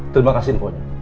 terima kasih pohon